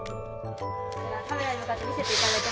カメラに向かって見せていただいていいですか？